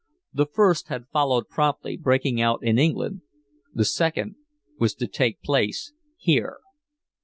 The first had followed promptly, breaking out in England. The second was to take place here.